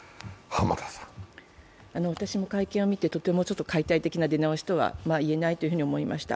私も会見を見てとても解体的出直しとはいえないと思いました。